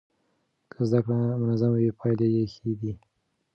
که زده کړه منظمه وي پایله یې ښه ده.